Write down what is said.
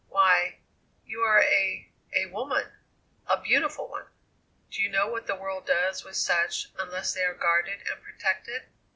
Why, you are a a woman; a beautiful one! Do you know what the world does with such, unless they are guarded and protected?"